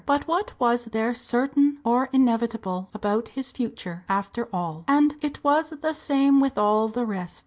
But what was there certain or inevitable about his future after all? And it was the same with all the rest.